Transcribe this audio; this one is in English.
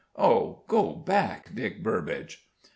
Oh, go back, Dick Burbage!"